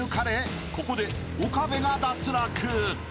ここで岡部が脱落］